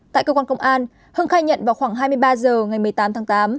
tại cơ quan công an hưng khai nhận vào khoảng hai mươi ba h ngày một mươi tám tháng tám